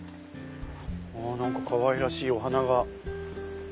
何かかわいらしいお花が。